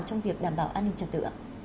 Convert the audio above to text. trong việc đảm bảo an ninh trật tự